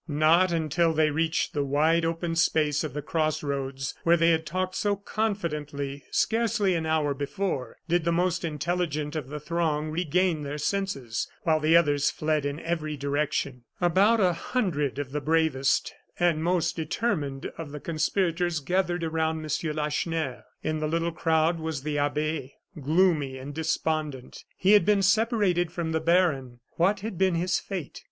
Not until they reached the wide open space of the cross roads, where they had talked so confidently scarcely an hour before, did the most intelligent of the throng regain their senses, while the others fled in every direction. About a hundred of the bravest and most determined of the conspirators gathered around M. Lacheneur. In the little crowd was the abbe, gloomy and despondent. He had been separated from the baron. What had been his fate?